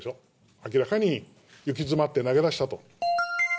明らかに行き詰まって投げ出したと。